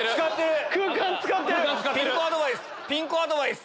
ピン子アドバイス！